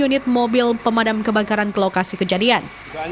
dua unit mobil pemadam kebakaran ke lokasi kejadian